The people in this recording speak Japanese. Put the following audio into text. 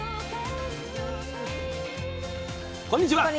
こんにちは！